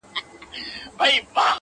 یو د بل په کور کي تل به مېلمانه وه؛